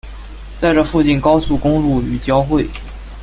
在这附近高速公路与交汇。